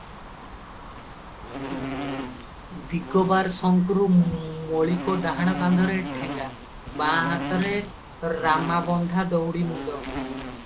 ଦିଗବାର ଶଙ୍କ୍ରୁ ମଳିକ ଡାହାଣ କାନ୍ଧରେ ଠେଙ୍ଗା, ବାଁ ହାତରେ ରାମାବନ୍ଧା ଦଉଡିମୁଣ୍ଡ ।